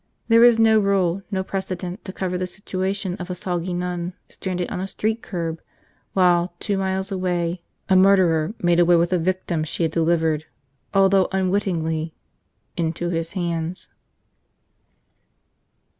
There was no rule, no precedent to cover the situation of a soggy nun stranded on a street curb while, two miles away, a murderer made away with a victim she had delivered, although unwittingly, into his hands.